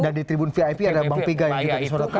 dan di tribun vip ada bang piga yang juga disuruh